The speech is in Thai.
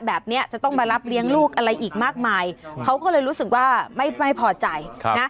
แบบนี้จะต้องมารับเลี้ยงลูกอะไรอีกมากมายเขาก็เลยรู้สึกว่าไม่พอใจนะ